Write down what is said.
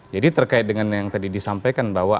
jadi terkait dengan yang tadi disampaikan bahwa